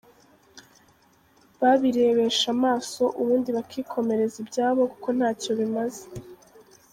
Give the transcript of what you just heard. babirebesha amaso ubundi bakikomereza ibyabo kuko ntacyo bimaze.